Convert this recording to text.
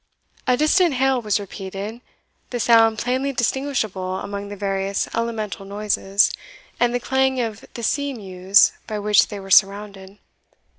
A distant hail was repeated, the sound plainly distinguishable among the various elemental noises, and the clang of the sea mews by which they were surrounded.